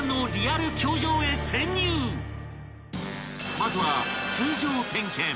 ［まずは］